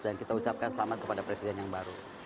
dan kita ucapkan selamat kepada presiden yang baru